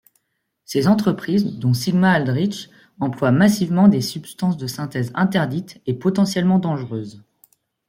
Ces entreprises, dont Sigma-Aldrich, emploient massivement des substances de synthèse interdites et potentiellement dangereuses.